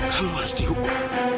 kamu harus dihukum